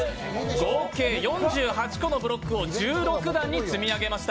合計４８個のブロックを１６段に積み上げました。